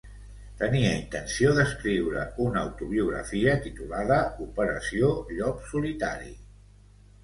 Tenia intenció d'escriure una autobiografia titulada Operació Llop Solitari.